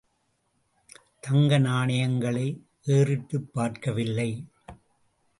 தங்க நாணயங்களை ஏறிட்டும் பார்க்கவில்லை!